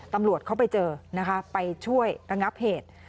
ตำรวจเขาไปเจอนะคะไปช่วยระงับเหตุ